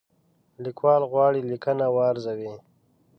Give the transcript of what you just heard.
لیکوال غواړي لیکنه وارزوي.